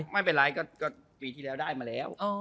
ไม่เป็นไรก็ปีที่แล้วได้มาแล้ว